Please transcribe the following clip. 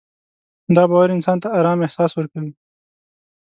دا باور انسان ته ارام احساس ورکوي.